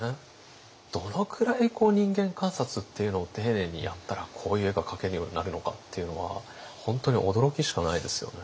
どのくらい人間観察っていうのを丁寧にやったらこういう絵が描けるようになるのかっていうのは本当に驚きしかないですよね。